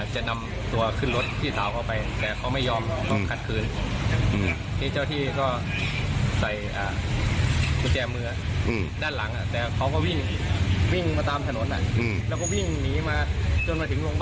จนมาถึงโรงพยาบาลคำนึนว่ามีรอปภและเจ็บ